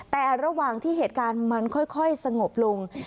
แต่ระหว่างที่เหตุการณ์มันค่อยสงบลง